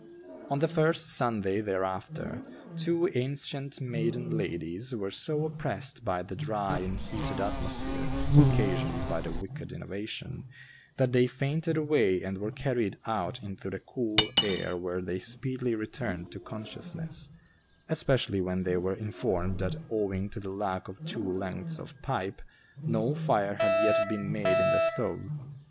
On the first Sunday thereafter, two ancient maiden ladies were so oppressed by the dry and heated atmosphere occasioned by the wicked innovation, that they fainted away and were carried out into the cool air where they speedily returned to consciousness, especially when they were informed that owing to the lack of two lengths of pipe, no fire had yet been made in the stove.